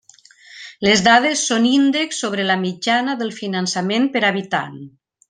Les dades són índexs sobre la mitjana del finançament per habitant.